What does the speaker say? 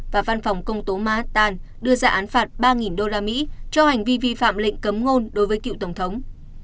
và văn phòng công tố mahatan đưa ra án phạt ba usd cho hành vi vi phạm lệnh cấm ngôn đối với cựu tổng thống